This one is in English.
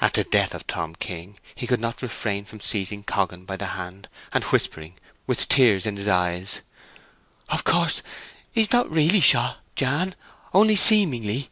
At the death of Tom King, he could not refrain from seizing Coggan by the hand, and whispering, with tears in his eyes, "Of course he's not really shot, Jan—only seemingly!"